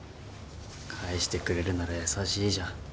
帰してくれるなら優しいじゃん。